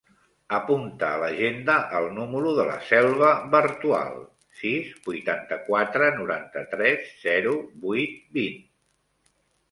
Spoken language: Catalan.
Apunta a l'agenda el número de la Selva Bartual: sis, vuitanta-quatre, noranta-tres, zero, vuit, vint.